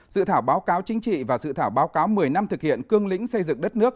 dự thảo báo cáo chính trị và dự thảo báo cáo một mươi năm thực hiện cương lĩnh xây dựng đất nước